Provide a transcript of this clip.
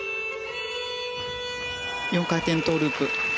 ４回転トウループ。